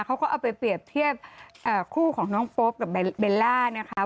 เขาก็เอาไปเปรียบเทียบคู่ของน้องโป๊ปกับเบลล่านะคะ